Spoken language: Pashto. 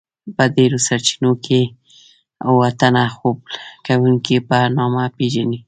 په ډیرو سرچینو کې اوه تنه خوب کوونکيو په نامه پیژني.